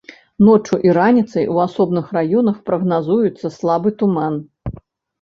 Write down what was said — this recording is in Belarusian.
Ноччу і раніцай у асобных раёнах прагназуецца слабы туман.